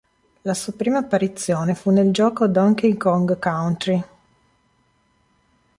La sua prima apparizione fu nel gioco "Donkey Kong Country".